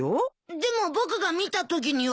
でも僕が見たときには。